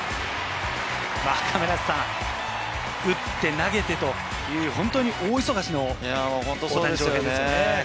亀梨さん、打って投げてという本当に大忙しの大谷翔平ですね。